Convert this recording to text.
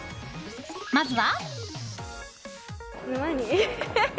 まずは。